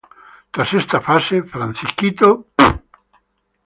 Tras esta fase, Fco.